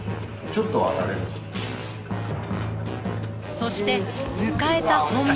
そして迎えた本番。